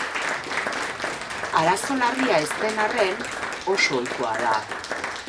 Arazo larria ez den arren, oso ohikoa da.